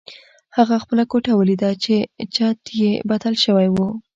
هغه خپله کوټه ولیده چې چت یې بدل شوی و